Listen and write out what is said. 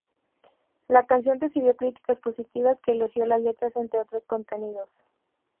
La canción recibió críticas positivas, que elogió las letras entre otros contenidos.